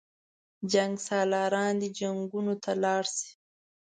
جنګسالاران دې جنګونو ته لاړ شي.